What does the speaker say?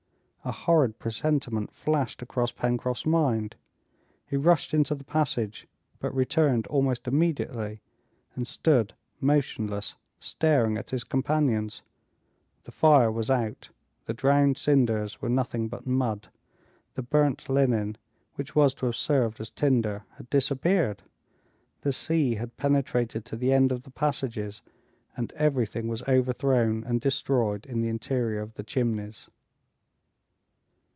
A horrid presentiment flashed across Pencroft's mind. He rushed into the passage, but returned almost immediately, and stood motionless, staring at his companions.... The fire was out; the drowned cinders were nothing but mud; the burnt linen, which was to have served as tinder, had disappeared! The sea had penetrated to the end of the passages, and everything was overthrown and destroyed in the interior of the Chimneys!